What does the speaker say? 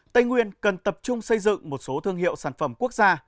tây nguyên cần tập trung xây dựng một số thương hiệu sản phẩm quốc gia